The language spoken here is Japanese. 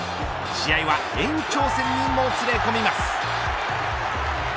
試合は延長戦にもつれ込みます。